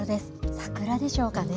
桜でしょうかね。